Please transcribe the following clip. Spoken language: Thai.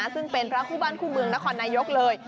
ซึ่งเป็นพระคู่บ้านคู่เมืองนครนายกเลย